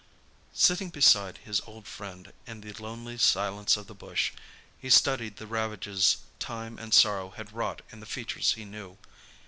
Sitting beside his old friend in the lonely silence of the bush, he studied the ravages time and sorrow had wrought in the features be knew.